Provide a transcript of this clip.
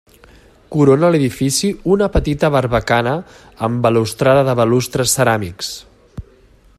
Corona l'edifici una petita barbacana amb balustrada de balustres ceràmics.